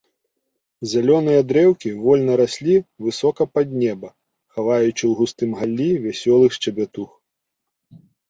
Зялёныя дрэўкі вольна раслі высока пад неба, хаваючы ў густым галлі вясёлых шчабятух.